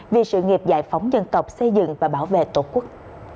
vì sự nghiệp giải phóng dân tộc xây dựng và bảo vệ tổ quốc